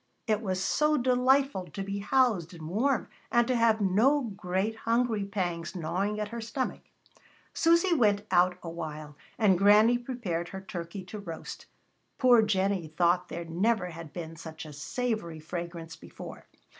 It was so delightful to be housed and warm, and to have no great hungry pangs gnawing at her stomach. Susy went out a while, and Granny prepared her turkey to roast. Poor Jennie thought there never had been such a savory fragrance before.